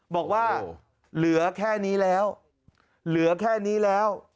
บอกว่าเหลือแค่นี้แล้วเหลือแค่นี้แล้ว